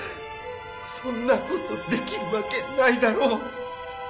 そんなことできるわけないだろ